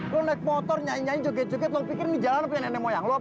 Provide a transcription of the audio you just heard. lo naik motor nyanyi nyanyi joget joget lo pikir ini jalan punya nenek moyang lo apa